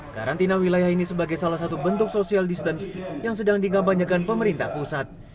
karantina wilayah ini sebagai salah satu bentuk social distance yang sedang dikampanyekan pemerintah pusat